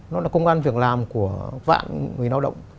nó là công an việc làm của vạn người lao động